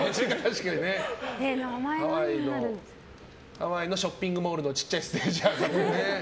ハワイのショッピングモールの小さいステージとか。